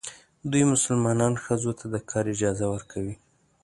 دوی مسلمانان ښځو ته د کار اجازه ورکوي.